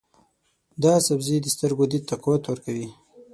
دا سبزی د سترګو دید ته قوت ورکوي.